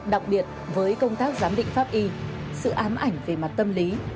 đặc biệt với công tác giám định pháp y sự ám ảnh về mặt tâm lý